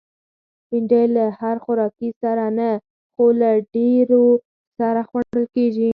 بېنډۍ له هر خوراکي سره نه، خو له ډېرو سره خوړل کېږي